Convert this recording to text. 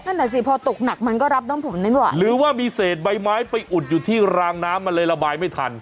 นั่นแหละสิพอตกหนักมันก็รับน้ำผมนั้นหว่ะหรือว่ามีเศษใบไม้ไปอุดอยู่ที่รางน้ำมันเลยระบายไม่ทัน